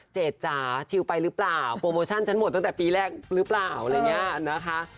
เจดจ๋าชิลไปหรือเปล่าโปรโมชั่นฉันหมดตั้งแต่ปีแรกหรือเปล่าอะไรอย่างนี้นะคะ